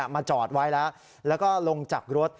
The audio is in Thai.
มาจอดไว้แล้วแล้วก็ลงจากรถ